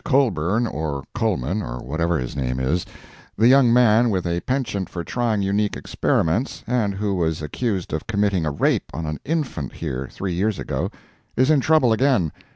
Colburn, or Coleman, or whatever his name is—the young man with a penchant for trying unique experiments, and who was accused of committing a rape on an infant here three years ago—is in trouble again.